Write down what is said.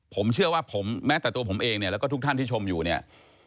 ผมเชื่อว่าผมแม้แต่ตัวผมเองเนี่ยแล้วก็ทุกท่านที่ชมอยู่เนี่ย